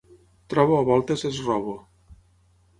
Trobo a voltes és robo.